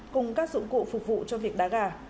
cùng các dụng cụ phục vụ cho việc đá gà